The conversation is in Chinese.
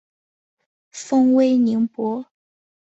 封威宁伯。